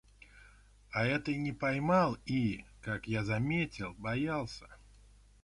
А этой не понимал и, как я заметил, боялся.